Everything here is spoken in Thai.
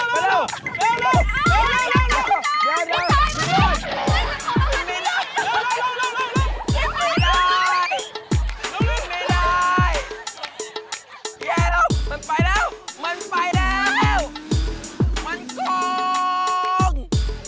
มันกรง